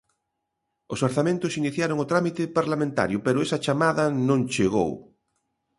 Os Orzamentos iniciaron o trámite parlamentario, pero esa chamada non chegou.